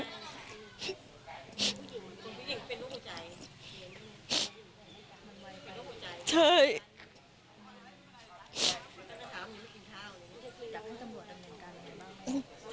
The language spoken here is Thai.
คุณก็ครำตำรวจนั่งเหมือนกัน